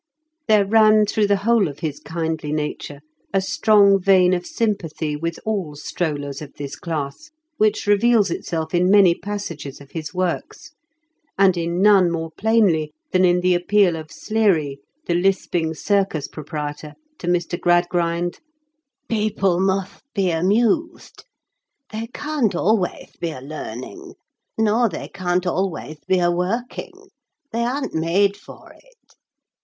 There ran through the whole of his kindly nature a strong vein of sympathy with all strollers of this class, which reveals itself in many passages of his works, and in none more plainly than in the appeal of Sleary, the lisping circus proprietor, to Mr. Gradgrind : "People mutht be amuthed. They can't alwayth be a leaming, nor they can't alwayth be a working; they an't made for it.